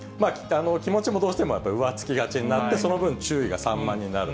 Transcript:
気持ちもどうしても浮つきがちになって、その分、注意が散漫になる。